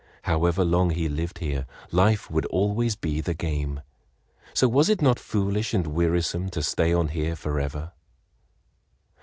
However long he lived here, life would always be the same, so was it not foolish and wearisome to stay on here forever?